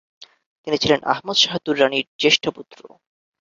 তিনি ছিলেন আহমদ শাহ দুররানির জ্যেষ্ঠ পুত্র।